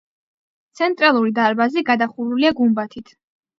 ცენტრალური დარბაზი გადახურულია გუმბათით.